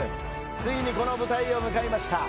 ついにこの舞台を迎えました。